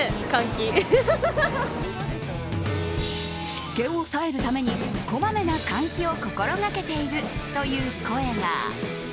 湿気を抑えるためにこまめな換気を心掛けているという声が。